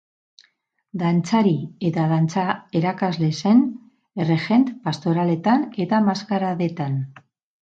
Dantzari eta dantza erakasle zen, errejent pastoraletan eta maskaradetan.